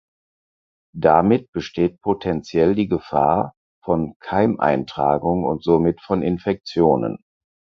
Damit besteht potentiell die Gefahr von Keimeintragungen und somit von Infektionen.